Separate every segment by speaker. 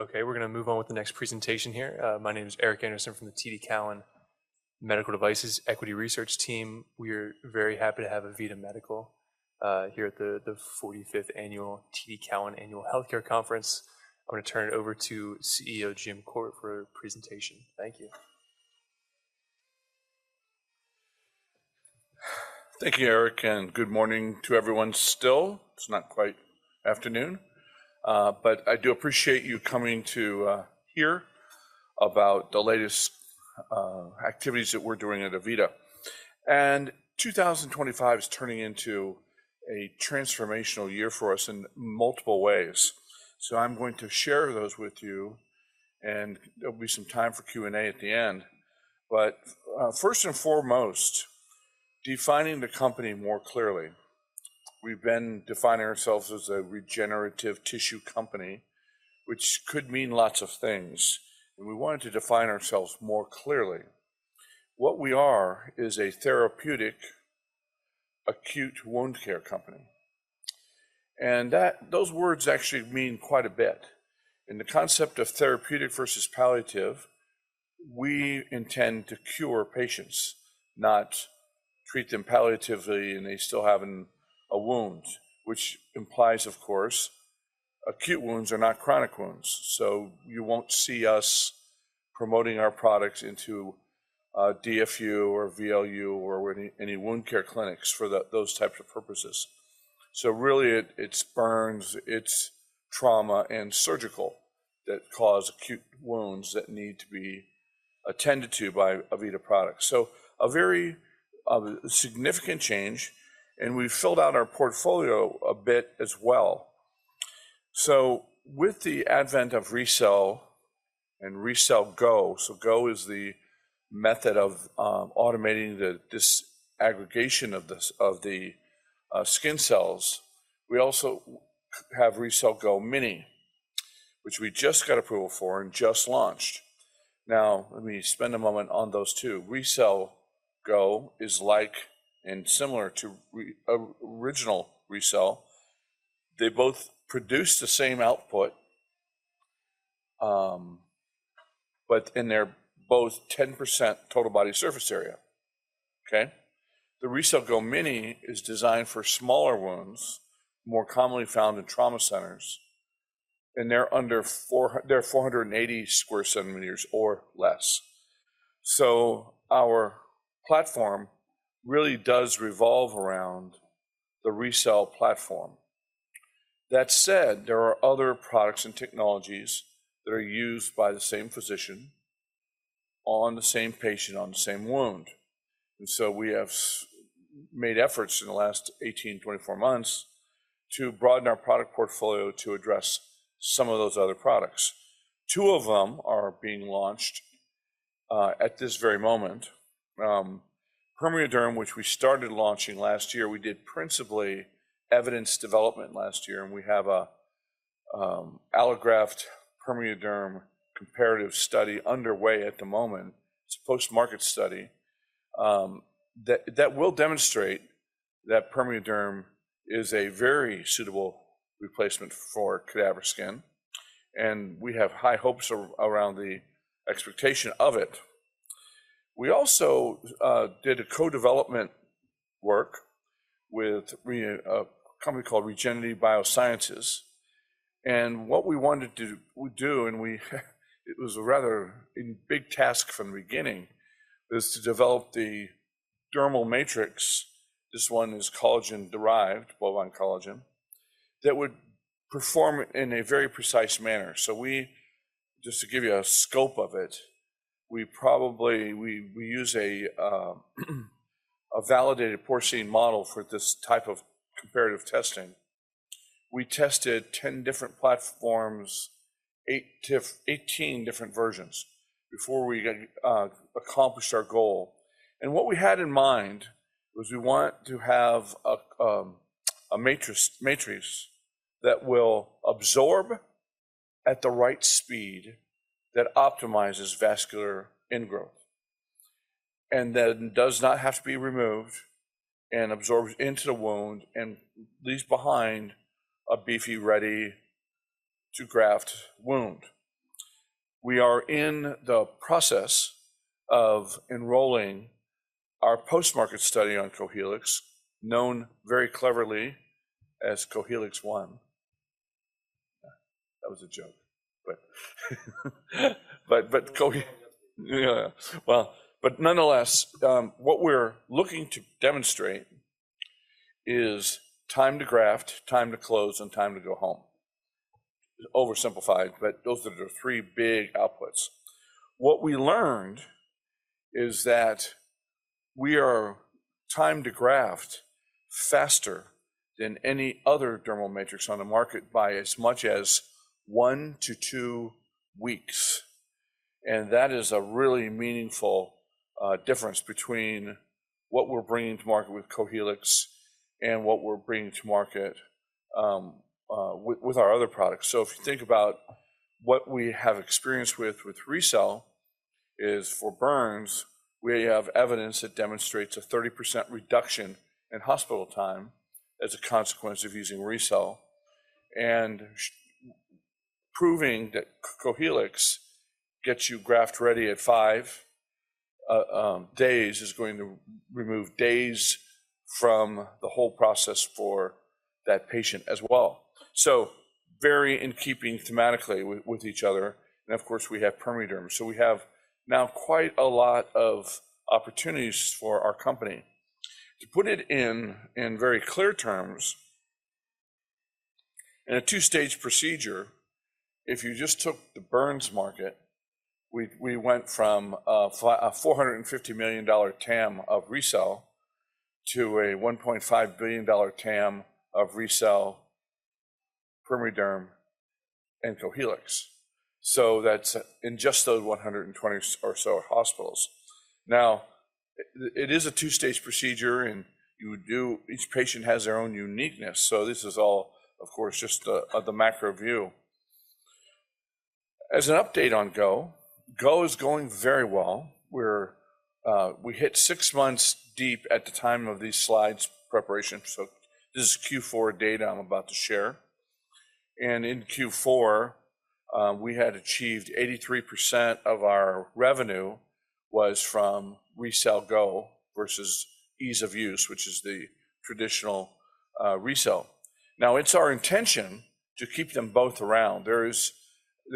Speaker 1: Okay, we're going to move on with the next presentation here. My name is Eric Anderson from the TD Cowen Medical Devices Equity Research Team. We are very happy to have AVITA Medical here at the 45th Annual TD Cowen Annual Health Care Conference. I'm going to turn it over to CEO Jim Corbett for a presentation. Thank you.
Speaker 2: Thank you, Eric, and good morning to everyone still. It's not quite afternoon, but I do appreciate you coming to hear about the latest activities that we're doing at AVITA. 2025 is turning into a transformational year for us in multiple ways. I'm going to share those with you, and there'll be some time for Q&A at the end. First and foremost, defining the company more clearly. We've been defining ourselves as a regenerative tissue company, which could mean lots of things. We wanted to define ourselves more clearly. What we are is a therapeutic acute wound care company. Those words actually mean quite a bit. In the concept of therapeutic versus palliative, we intend to cure patients, not treat them palliatively and they still having a wound, which implies, of course, acute wounds are not chronic wounds. You will not see us promoting our products into DFU or VLU or any wound care clinics for those types of purposes. Really, it is burns, it is trauma, and surgical that cause acute wounds that need to be attended to by AVITA products. A very significant change, and we have filled out our portfolio a bit as well. With the advent of RECELL and RECELL GO, GO is the method of automating the disaggregation of the skin cells. We also have RECELL GO Mini, which we just got approval for and just launched. Now, let me spend a moment on those two. RECELL GO is like and similar to original RECELL. They both produce the same output, but they are both 10% total body surface area. Okay? The RECELL GO Mini is designed for smaller wounds, more commonly found in trauma centers, and they're under 480 square centimeters or less. Our platform really does revolve around the RECELL platform. That said, there are other products and technologies that are used by the same physician on the same patient on the same wound. We have made efforts in the last 18-24 months to broaden our product portfolio to address some of those other products. Two of them are being launched at this very moment. PermeaDerm, which we started launching last year, we did principally evidence development last year, and we have an allograft PermeaDerm comparative study underway at the moment. It is a post-market study that will demonstrate that PermeaDerm is a very suitable replacement for cadaver skin. We have high hopes around the expectation of it. We also did a co-development work with a company called Regenity Biosciences. What we wanted to do, and it was a rather big task from the beginning, is to develop the dermal matrix. This one is collagen-derived, bovine collagen, that would perform in a very precise manner. Just to give you a scope of it, we use a validated porcine model for this type of comparative testing. We tested 10 different platforms, 18 different versions before we accomplished our goal. What we had in mind was we want to have a matrix that will absorb at the right speed that optimizes vascular ingrowth, and then does not have to be removed and absorbs into the wound and leaves behind a beefy, ready-to-graft wound. We are in the process of enrolling our post-market study on Cohealyx, known very cleverly as Cohealyx One. That was a joke, but Cohealyx. Yeah. Nonetheless, what we're looking to demonstrate is time to graft, time to close, and time to go home. Oversimplified, but those are the three big outputs. What we learned is that we are time to graft faster than any other dermal matrix on the market by as much as one to two weeks. That is a really meaningful difference between what we're bringing to market with Cohealyx and what we're bringing to market with our other products. If you think about what we have experienced with RECELL, for burns, we have evidence that demonstrates a 30% reduction in hospital time as a consequence of using RECELL. Proving that Cohealyx gets you graft ready at five days is going to remove days from the whole process for that patient as well. Very in keeping thematically with each other. Of course, we have PermeaDerm. We have now quite a lot of opportunities for our company. To put it in very clear terms, in a two-stage procedure, if you just took the burns market, we went from a $450 million TAM of RECELL to a $1.5 billion TAM of RECELL PermeaDerm, and Cohealyx. That is in just those 120 or so hospitals. It is a two-stage procedure, and each patient has their own uniqueness. This is all, of course, just the macro view. As an update on GO, GO is going very well. We hit six months deep at the time of these slides' preparation. This is Q4 data I am about to share. In Q4, we had achieved 83% of our revenue was from RECELL GO versus Ease of Use, which is the traditional RECELL. It is our intention to keep them both around. There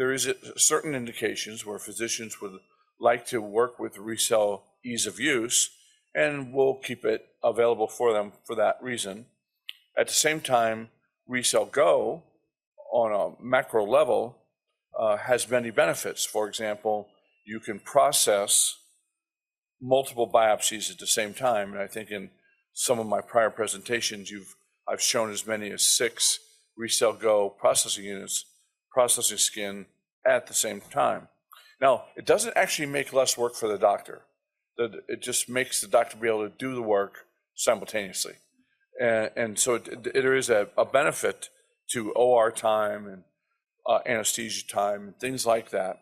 Speaker 2: are certain indications where physicians would like to work with RECELL Ease of Use, and we'll keep it available for them for that reason. At the same time, RECELL GO on a macro level has many benefits. For example, you can process multiple biopsies at the same time. I think in some of my prior presentations, I've shown as many as six RECELL GO processing units processing skin at the same time. It doesn't actually make less work for the doctor. It just makes the doctor be able to do the work simultaneously. There is a benefit to OR time and anesthesia time and things like that,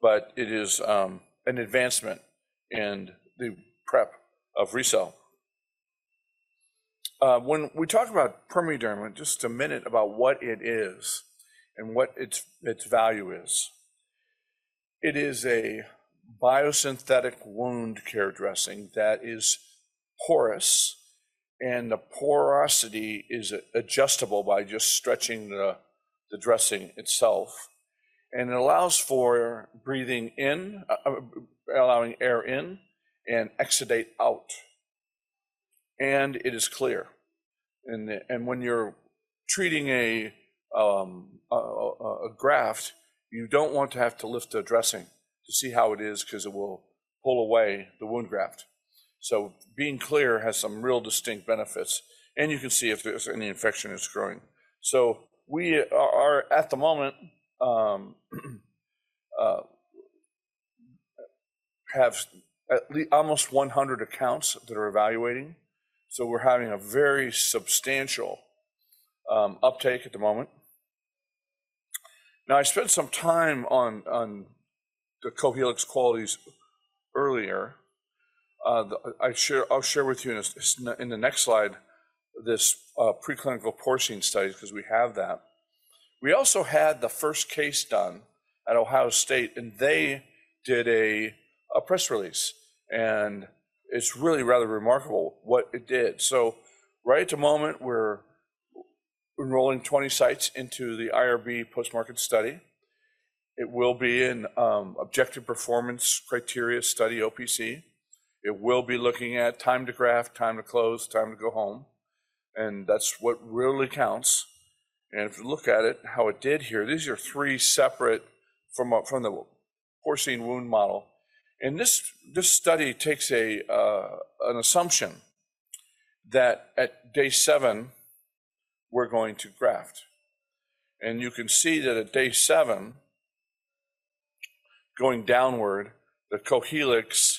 Speaker 2: but it is an advancement in the prep of RECELL. When we talk about PermeaDerm, just a minute about what it is and what its value is. It is a biosynthetic wound care dressing that is porous, and the porosity is adjustable by just stretching the dressing itself. It allows for breathing in, allowing air in and exudate out. It is clear. When you're treating a graft, you don't want to have to lift the dressing to see how it is because it will pull away the wound graft. Being clear has some real distinct benefits. You can see if there's any infection that's growing. We are at the moment have almost 100 accounts that are evaluating. We're having a very substantial uptake at the moment. I spent some time on the Cohealyx qualities earlier. I'll share with you in the next slide this preclinical porcine study because we have that. We also had the first case done at Ohio State, and they did a press release. It is really rather remarkable what it did. Right at the moment, we are enrolling 20 sites into the IRB post-market study. It will be an objective performance criteria study, OPC. It will be looking at time to graft, time to close, time to go home. That is what really counts. If you look at it, how it did here, these are three separate from the porcine wound model. This study takes an assumption that at day seven, we are going to graft. You can see that at day seven, going downward, the Cohealyx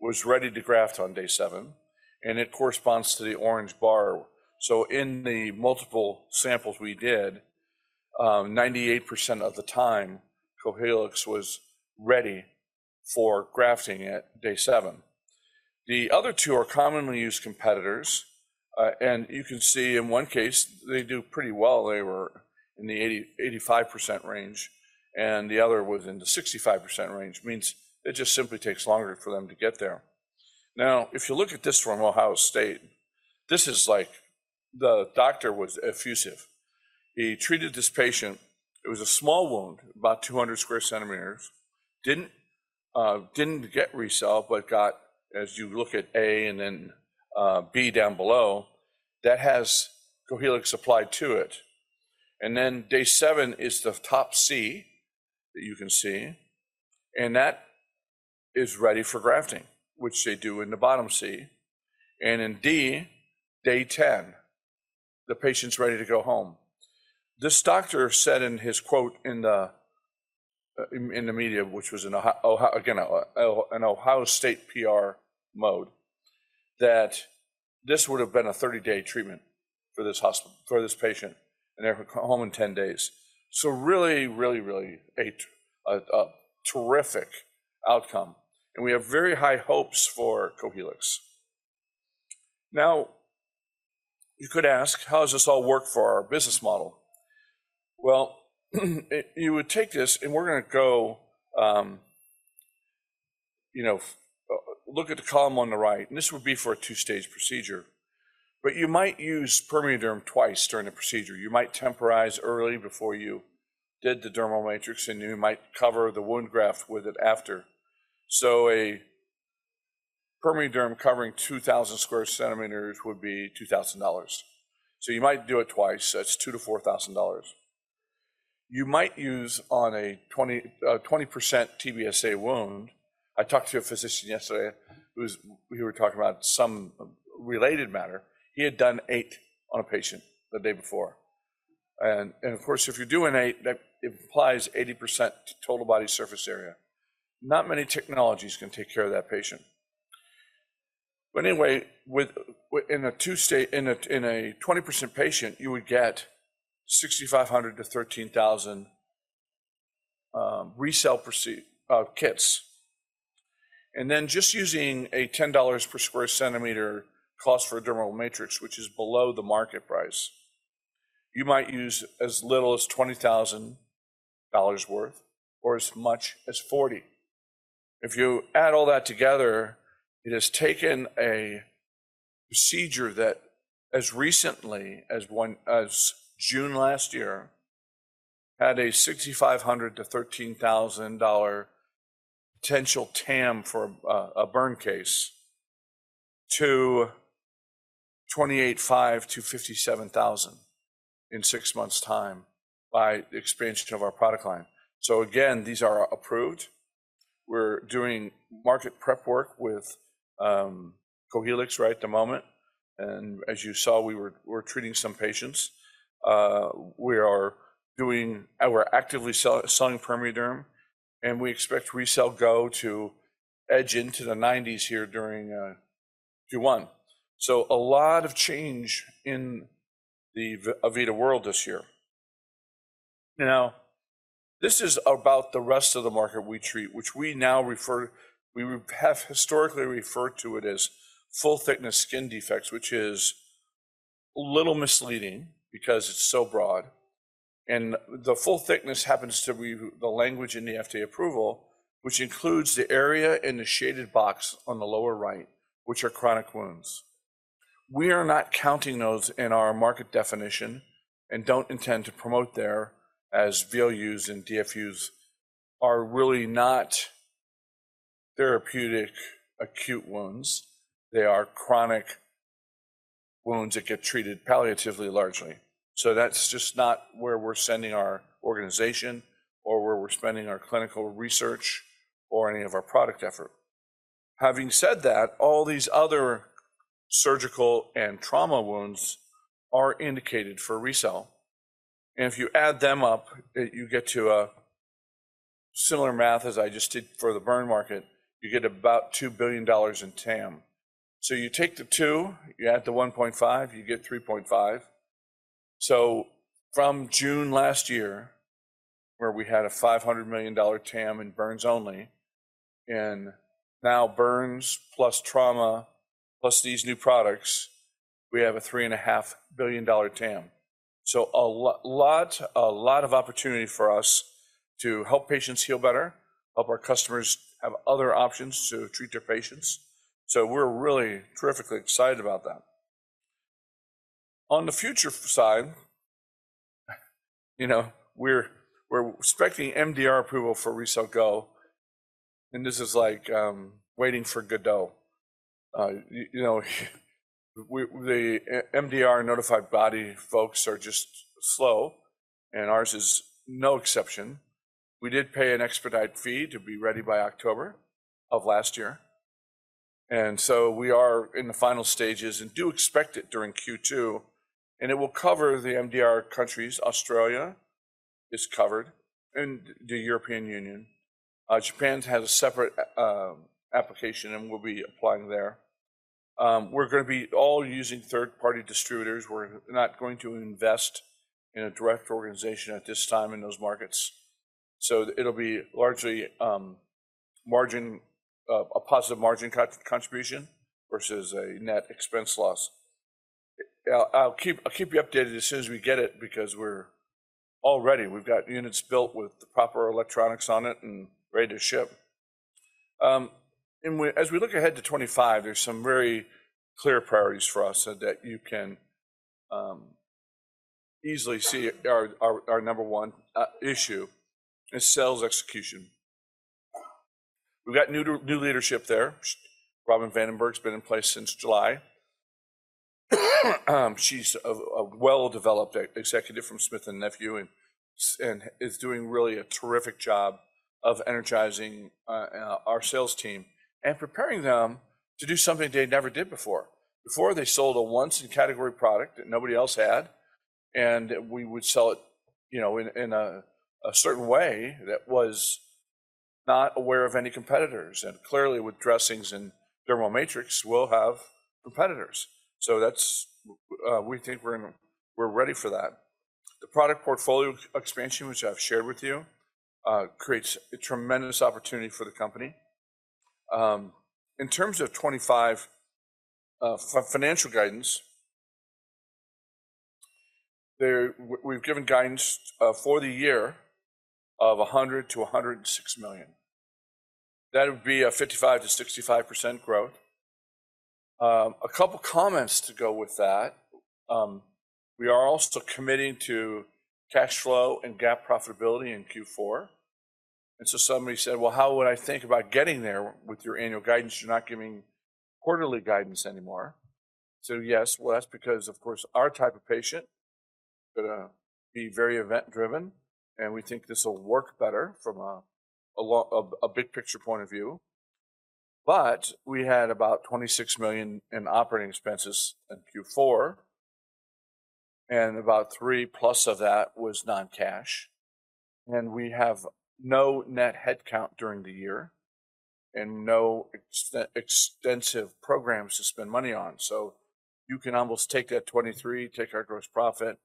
Speaker 2: was ready to graft on day seven. It corresponds to the orange bar. In the multiple samples we did, 98% of the time, Cohealyx was ready for grafting at day seven. The other two are commonly used competitors. You can see in one case, they do pretty well. They were in the 85% range. The other was in the 65% range. It means it just simply takes longer for them to get there. Now, if you look at this one in Ohio State, this is like the doctor was effusive. He treated this patient. It was a small wound, about 200 sq cm. Didn't get RECELL, but got, as you look at A and then B down below, that has Cohealyx applied to it. Day seven is the top C that you can see. That is ready for grafting, which they do in the bottom C. In D, day 10, the patient's ready to go home. This doctor said in his quote in the media, which was again an Ohio State PR mode, that this would have been a 30-day treatment for this patient and they're home in 10 days. Really, really, really a terrific outcome. We have very high hopes for Cohealyx. You could ask, how does this all work for our business model? You would take this and we're going to go look at the column on the right. This would be for a two-stage procedure. You might use PermeaDerm twice during the procedure. You might temporize early before you did the dermal matrix, and you might cover the wound graft with it after. A PermeaDerm covering 2,000 sq cm would be $2,000. You might do it twice. That's $2,000-$4,000. You might use on a 20% TBSA wound. I talked to a physician yesterday. We were talking about some related matter. He had done eight on a patient the day before. Of course, if you're doing eight, it implies 80% total body surface area. Not many technologies can take care of that patient. Anyway, in a 20% patient, you would get 6,500-13,000 RECELL kits. Then just using a $10 per square centimeter cost for a dermal matrix, which is below the market price, you might use as little as $20,000 worth or as much as $40,000. If you add all that together, it has taken a procedure that as recently as June last year had a $6,500-$13,000 potential TAM for a burn case to $28,500-$57,000 in six months' time by the expansion of our product line. Again, these are approved. We are doing market prep work with Cohealyx right at the moment. As you saw, we were treating some patients. We are actively selling PermeaDerm. We expect RECELL GO to edge into the 90s here during Q1. A lot of change in the AVITA world this year. Now, this is about the rest of the market we treat, which we now refer to. We have historically referred to it as full-thickness skin defects, which is a little misleading because it's so broad. The full-thickness happens to be the language in the FDA approval, which includes the area in the shaded box on the lower right, which are chronic wounds. We are not counting those in our market definition and don't intend to promote there as VLUs and DFUs are really not therapeutic acute wounds. They are chronic wounds that get treated palliatively largely. That's just not where we're sending our organization or where we're spending our clinical research or any of our product effort. Having said that, all these other surgical and trauma wounds are indicated for RECELL. If you add them up, you get to a similar math as I just did for the burn market. You get about $2 billion in TAM. You take the two, you add the 1.5, you get 3.5. From June last year, where we had a $500 million TAM in burns only, and now burns plus trauma plus these new products, we have a $3.5 billion TAM. A lot of opportunity for us to help patients heal better, help our customers have other options to treat their patients. We are really terrifically excited about that. On the future side, we are expecting MDR approval for RECELL GO. This is like waiting for Godot. The MDR notified body folks are just slow, and ours is no exception. We did pay an expedite fee to be ready by October of last year. We are in the final stages and do expect it during Q2. It will cover the MDR countries. Australia is covered, and the European Union. Japan has a separate application, and we'll be applying there. We're going to be all using third-party distributors. We're not going to invest in a direct organization at this time in those markets. It will be largely a positive margin contribution versus a net expense loss. I'll keep you updated as soon as we get it because we're all ready. We've got units built with the proper electronics on it and ready to ship. As we look ahead to 2025, there are some very clear priorities for us that you can easily see. Our number one issue is sales execution. We've got new leadership there. Robin Vandenberg has been in place since July. She's a well-developed executive from Smith & Nephew and is doing really a terrific job of energizing our sales team and preparing them to do something they never did before. Before, they sold a once-in-category product that nobody else had. We would sell it in a certain way that was not aware of any competitors. Clearly, with dressings and dermal matrix, we'll have competitors. We think we're ready for that. The product portfolio expansion, which I've shared with you, creates a tremendous opportunity for the company. In terms of 2025 financial guidance, we've given guidance for the year of $100 million-$106 million. That would be a 55%-65% growth. A couple of comments to go with that. We are also committing to cash flow and GAAP profitability in Q4. Somebody said, "How would I think about getting there with your annual guidance? You're not giving quarterly guidance anymore." Yes, that's because, of course, our type of patient is going to be very event-driven. We think this will work better from a big-picture point of view. We had about $26 million in operating expenses in Q4, and about $3 million plus of that was non-cash. We have no net headcount during the year and no extensive programs to spend money on. You can almost take that 2023, take our gross profit,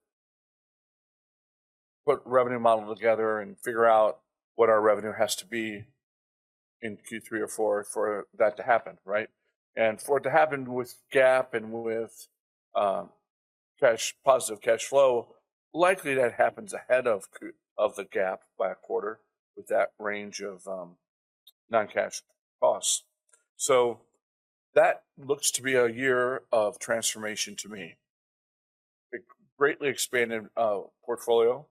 Speaker 2: put revenue model together, and figure out what our revenue has to be in Q3 or Q4 for that to happen, right? For it to happen with GAAP and with positive cash flow, likely that happens ahead of the GAAP by a quarter with that range of non-cash costs. That looks to be a year of transformation to me. A greatly expanded portfolio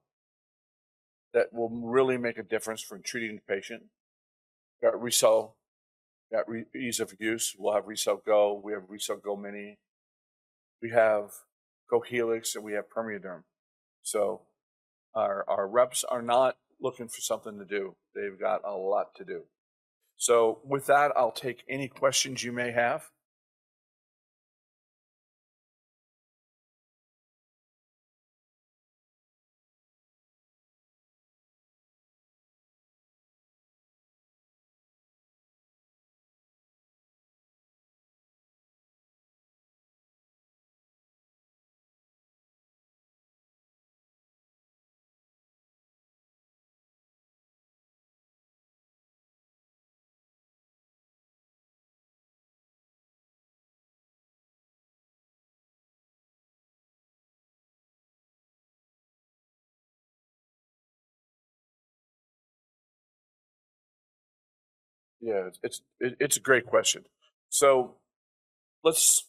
Speaker 2: that will really make a difference for treating the patient. Got RECELL, got ease of use. We'll have RECELL GO. We have RECELL GO Mini. We have Cohealyx, and we have PermeaDerm. Our reps are not looking for something to do. They've got a lot to do. With that, I'll take any questions you may have. Yeah, it's a great question. Let's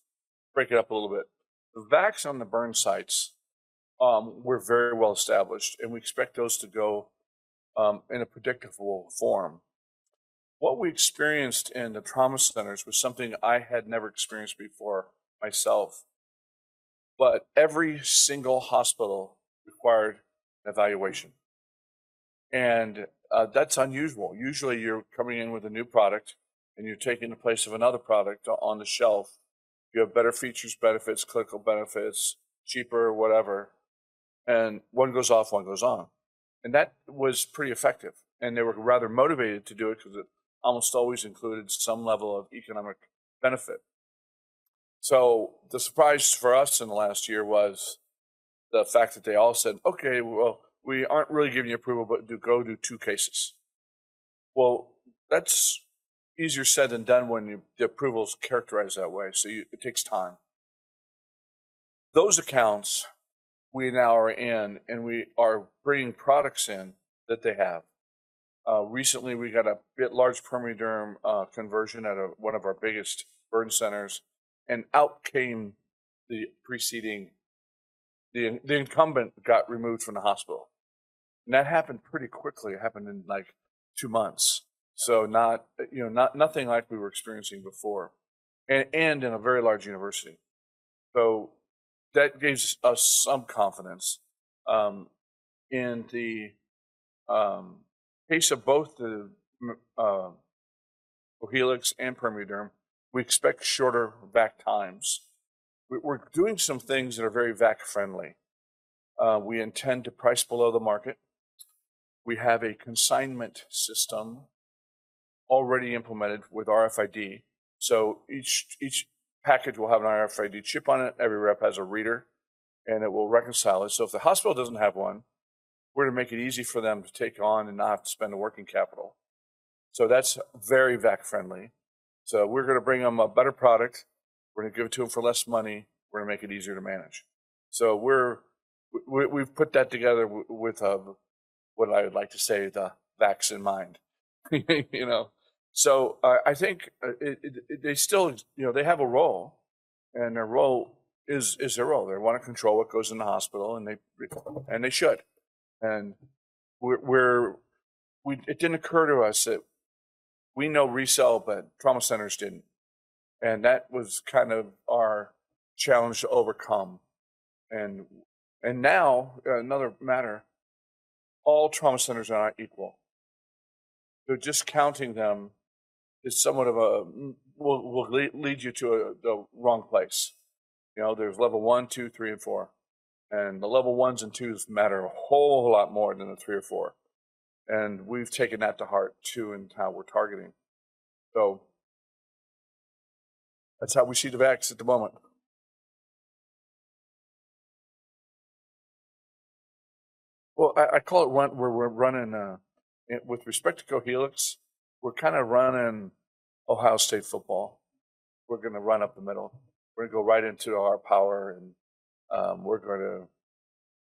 Speaker 2: break it up a little bit. The VACs on the burn sites were very well established. We expect those to go in a predictable form. What we experienced in the trauma centers was something I had never experienced before myself. Every single hospital required evaluation. That's unusual. Usually, you're coming in with a new product, and you're taking the place of another product on the shelf. You have better features, benefits, clinical benefits, cheaper, whatever. One goes off, one goes on. That was pretty effective. They were rather motivated to do it because it almost always included some level of economic benefit. The surprise for us in the last year was the fact that they all said, "Okay, we aren't really giving you approval, but go do two cases." That is easier said than done when the approval is characterized that way. It takes time. Those accounts, we now are in, and we are bringing products in that they have. Recently, we got a large PermeaDerm conversion at one of our biggest burn centers. Out came the preceding, the incumbent got removed from the hospital. That happened pretty quickly. It happened in like two months. Nothing like we were experiencing before and in a very large university. That gives us some confidence. In the case of both the Cohealyx and PermeaDerm, we expect shorter VAC times. We're doing some things that are very VAC-friendly. We intend to price below the market. We have a consignment system already implemented with RFID. Each package will have an RFID chip on it. Every rep has a reader, and it will reconcile it. If the hospital does not have one, we're going to make it easy for them to take on and not have to spend working capital. That is very VAC-friendly. We're going to bring them a better product. We're going to give it to them for less money. We're going to make it easier to manage. We have put that together with what I would like to say the VACs in mind. I think they still have a role. Their role is their role. They want to control what goes in the hospital, and they should. It did not occur to us that we know RECELL, but trauma centers did not. That was kind of our challenge to overcome. Another matter, all trauma centers are not equal. Just counting them will lead you to the wrong place. There is level one, two, three, and four. The level ones and twos matter a whole lot more than the three or four. We have taken that to heart too in how we are targeting. That is how we see the VACs at the moment. I call it, with respect to Cohealyx, we are kind of running Ohio State football. We are going to run up the middle. We are going to go right into our power. We are going to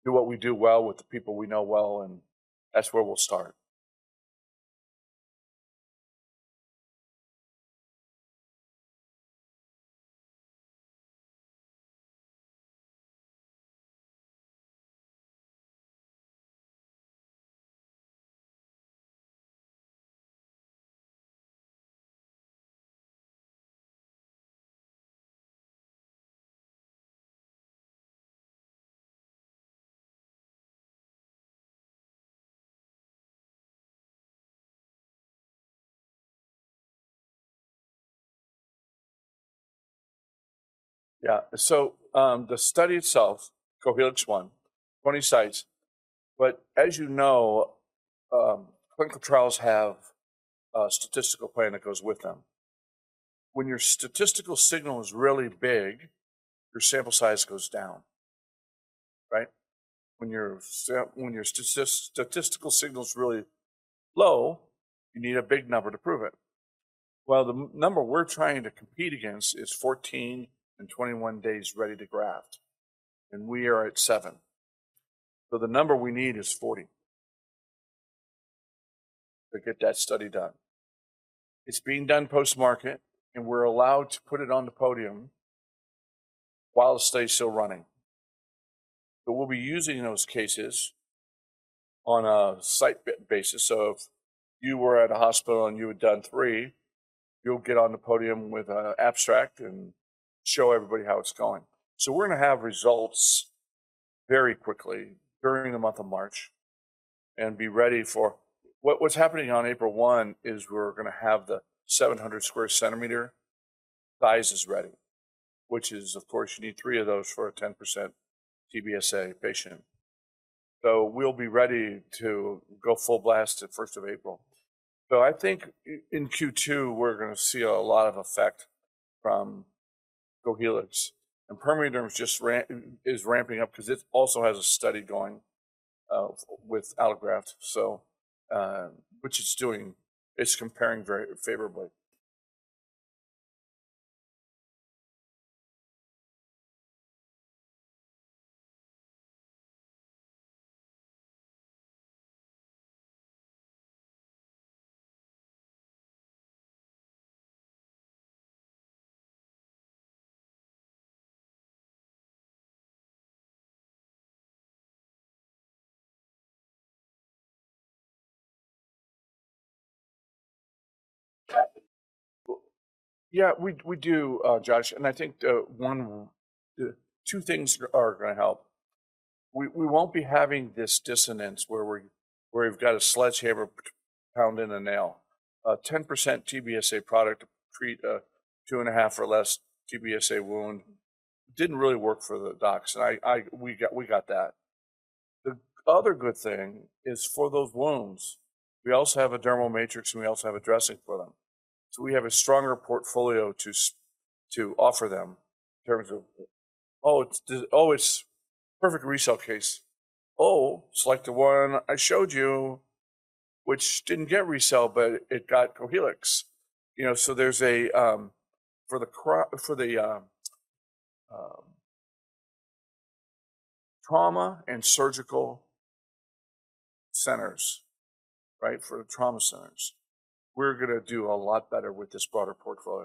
Speaker 2: do what we do well with the people we know well. That is where we will start. Yeah. The study itself, Cohealyx One, 20 sites. As you know, clinical trials have a statistical plan that goes with them. When your statistical signal is really big, your sample size goes down, right? When your statistical signal is really low, you need a big number to prove it. The number we are trying to compete against is 14 and 21 days ready to graft. We are at 7. The number we need is 40 to get that study done. It is being done post-market, and we are allowed to put it on the podium while the study is still running. We will be using those cases on a site basis. If you were at a hospital and you had done three, you'll get on the podium with an abstract and show everybody how it's going. We're going to have results very quickly during the month of March and be ready for what's happening on April 1 is we're going to have the 700 sq cm sizes ready, which is, of course, you need three of those for a 10% TBSA patient. We'll be ready to go full blast at 1st of April. I think in Q2, we're going to see a lot of effect from Cohealyx. PermeaDerm is ramping up because it also has a study going with allograft, which it's doing. It's comparing very favorably. Yeah, we do, Josh. I think two things are going to help. We won't be having this dissonance where we've got a sledgehammer pounding a nail. A 10% TBSA product to treat a two and a half or less TBSA wound did not really work for the docs. We got that. The other good thing is for those wounds, we also have a dermal matrix, and we also have a dressing for them. We have a stronger portfolio to offer them in terms of, "Oh, it is a perfect RECELL case. Oh, it is like the one I showed you, which did not get RECELL, but it got Cohealyx." There is a for the trauma and surgical centers, right, for the trauma centers, we are going to do a lot better with this broader portfolio.